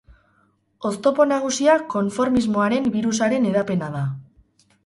Oztopo nagusia konformismoaren birusaren hedapena da.